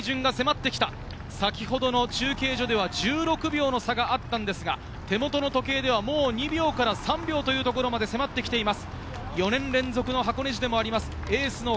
先ほどの中継所では１６秒の差がありましたが手元の時計ではもう２秒から３秒というところまで迫ってきています。